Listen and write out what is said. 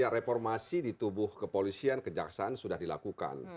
reformasi di tubuh kepolisian kejaksaan sudah dilakukan